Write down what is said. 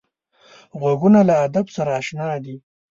غوږونه له ادب سره اشنا دي